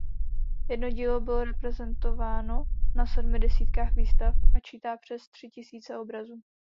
Jeho dílo bylo prezentováno na sedmi desítkách výstav a čítá přes tři tisíce obrazů.